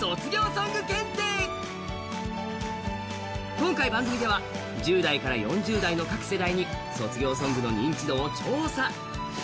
今回、番組では１０代から４０代の各世代に卒業ソングの認知度を調査。